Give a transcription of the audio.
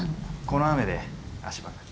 この雨で足場が。